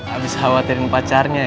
abis khawatirin pacarnya ya